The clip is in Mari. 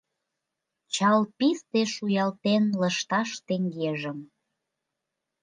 Чал писте шуялтен лышташ теҥгежым.